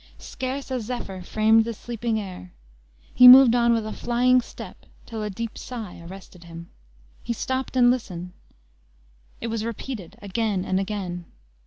Scarce a zephyr fanned the sleeping air. He moved on with a flying step, till a deep sigh arrested him. He stopped and listened: it was repeated again and again.